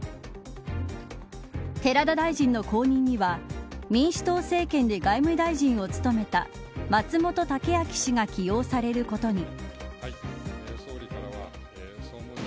寺田大臣の後任には民主党政権で財務大臣を務めた松本剛明氏が起用されることに。